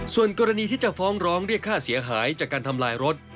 ส่วนกรณีที่จะฟ้องร้องเรียกค่าเสียหายจากการทำลายรถ